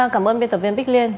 cảm ơn biên tập viên bích liên